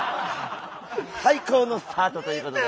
最高のスタートということで。